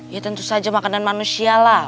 ya tentu saja makanan manusia lah